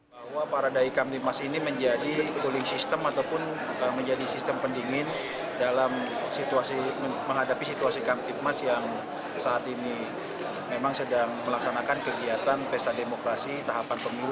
bahwa para daikam dimas ini menjadi cooling system ataupun menjadi sistem pendingin dalam menghadapi situasi kamtipmas yang saat ini memang sedang melaksanakan kegiatan pesta demokrasi tahapan pemilu